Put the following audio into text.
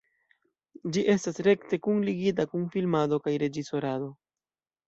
Ĝi estas rekte kunligita kun filmado kaj reĝisorado.